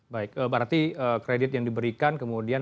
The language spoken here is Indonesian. baik berarti kredit yang diberikan kemudian